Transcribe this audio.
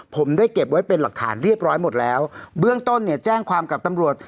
ผมได้เก็บไว้เป็นหลักฐานเรียบร้อยหมดแล้วเบื้องต้นเนี่ยแจ้งความกับตำรวจ